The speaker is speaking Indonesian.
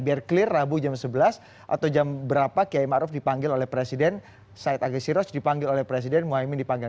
biar clear rabu jam sebelas atau jam berapa kiai ma'ruf dipanggil oleh presiden said agassi roj dipanggil oleh presiden muhaimin dipanggil